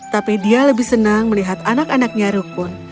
tapi dia lebih senang melihat anak anaknya rukun